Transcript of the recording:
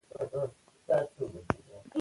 هغه په اصفهان کې د خپلواکۍ او عدل نظام رامنځته کړ.